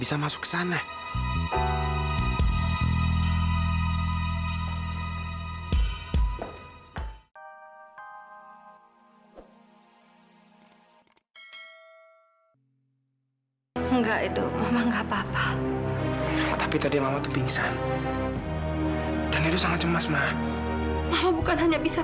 sampai jumpa di video selanjutnya